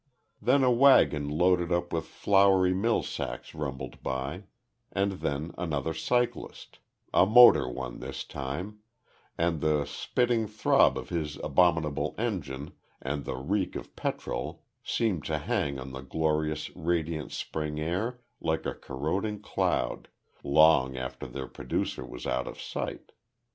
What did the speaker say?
Then a waggon loaded up with floury millsacks rumbled by, and then another cyclist, a motor one this time, and the spitting throb of his abominable engine and the reek of petrol seemed to hang on the glorious, radiant, spring air like a corroding cloud, long after their producer was out of sight.